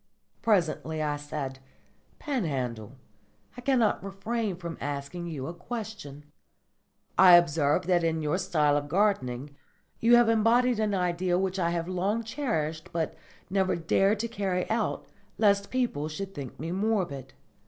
Presently I said, "Panhandle, I cannot refrain from asking you a question. I observe that in your style of gardening you have embodied an idea which I have long cherished but never dared to carry out lest people should think me morbid.